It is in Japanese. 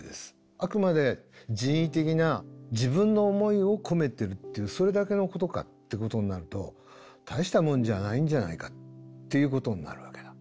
あくまで人為的な自分の思いを込めてるっていうそれだけのことかってことになると大したもんじゃないんじゃないかっていうことになるわけだ。